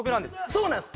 そうなんです！